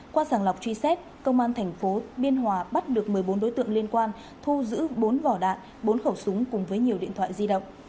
qua sàng lọc truy xét công an tp biên hòa bắt được một mươi bốn đối tượng liên quan thu giữ bốn vỏ đạn bốn khẩu súng cùng với nhiều điện thoại di động